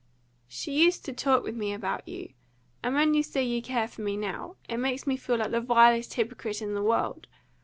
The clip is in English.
"She used to talk with me about you; and when you say you care for me now, it makes me feel like the vilest hypocrite in the world.